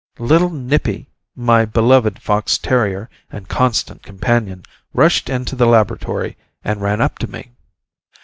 Little "Nippy," my beloved fox terrier, and constant companion, rushed into the laboratory and ran up to me.